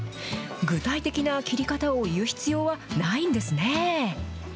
具体的な切り方を言う必要はないんですね。